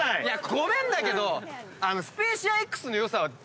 ごめんだけど。